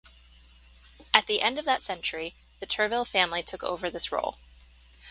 At the end of that century the Turville family took over this role.